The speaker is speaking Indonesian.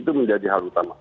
itu menjadi hal utama